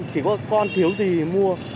chỉ có con thiếu gì thì mua